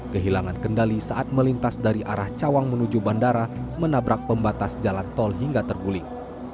kehilangan kendali saat melintas dari arah cawang menuju bandara menabrak pembatas jalan tol hingga terguling